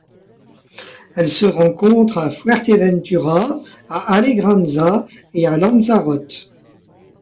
Elle se rencontre à Fuerteventura, à Alegranza et à Lanzarote.